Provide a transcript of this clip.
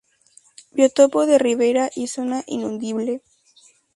Biotopo de ribera y zona inundable.